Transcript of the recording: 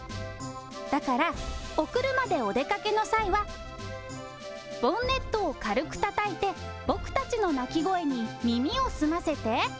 だからお車でお出かけの際は、ボンネットを軽くたたいて、僕たちの鳴き声に耳を澄ませて。